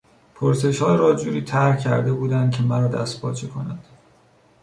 پرسشها را جوری طرح کرده بودند که مرا دستپاچه کند.